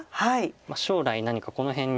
将来何かこの辺に。